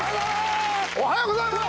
おはようございます！